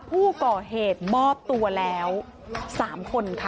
ผู้ก่อเหตุมอบตัวแล้ว๓คนค่ะ